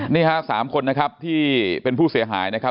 นี่ฮะ๓คนนะครับที่เป็นผู้เสียหายนะครับ